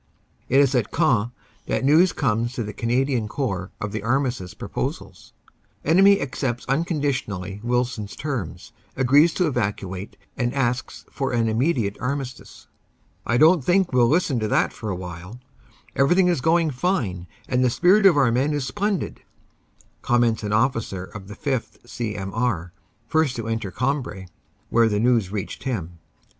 It is at Queant that news comes to the Canadian Corps of the armistice proposals. "Enemy accepts unconditionally BATTLE PIECES 321 Wilson s terms, agrees to evacuate and asks for an immediate armistice." "I don t think we ll listen to that for a while; everything is going fine and the spirit of our men is splendid," comments an officer of the 5th C.M.R., first to enter Cambrai, where the news reached him.